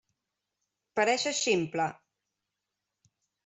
Pareixes ximple!